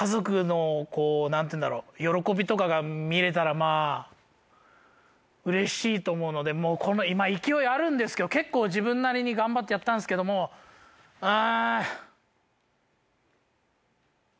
まぁうれしいと思うので今勢いあるんですけど結構自分なりに頑張ってやったんすけどもうん。